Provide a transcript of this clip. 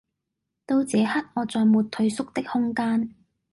到這刻我再沒退縮的空間